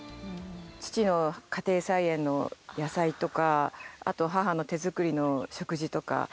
父の家庭菜園の野菜とか、あと母の手作りの食事とか。